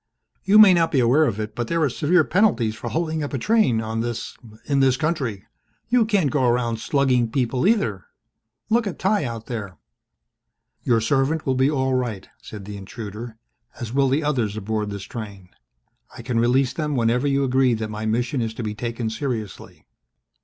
"You may not be aware of it but there are severe penalties for holding up a train on this in this country. You can't go around slugging people either. Look at Ty out there." "Your servant will be all right," said the intruder, "as will the others aboard this train. I can release them whenever you agree that my mission is to be taken seriously."